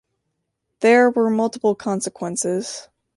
There were multiple consequences.